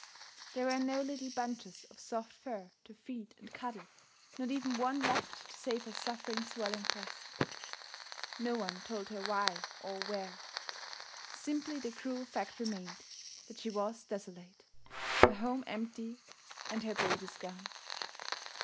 There were no little bunches of soft fur to feed and cuddle not even one left to save her suffering swelling breasts. No one told her why or where; simply the cruel fact remained that she was desolate, her home empty, and her babies gone.